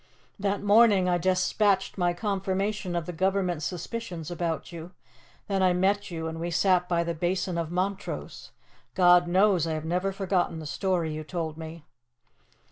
That morning I despatched my confirmation of the Government's suspicions about you. Then I met you and we sat by the Basin of Montrose. God knows I have never forgotten the story you told me.